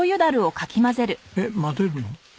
えっ混ぜるの？